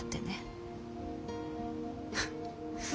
フッ。